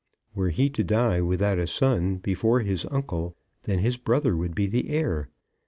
Were he to die without a son before his uncle, then his brother would be the heir.